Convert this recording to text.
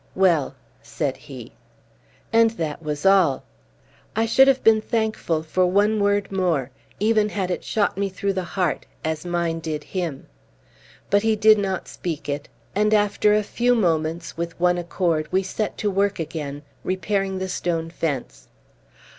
"Well!" said he. And that was all! I should have been thankful for one word more, even had it shot me through the heart, as mine did him. But he did not speak it; and, after a few moments, with one accord, we set to work again, repairing the stone fence.